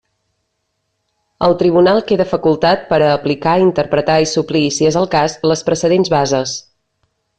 El tribunal queda facultat per a aplicar, interpretar i suplir, si és el cas, les precedents bases.